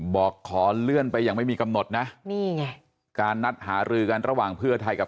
บอกขอเลื่อนไปอย่างไม่มีกำหนดนะนี่ไงการนัดหารือกันระหว่างเพื่อไทยกับ